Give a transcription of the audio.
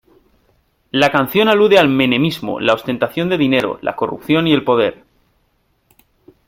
La canción alude al Menemismo, la ostentación de dinero, la corrupción y el poder.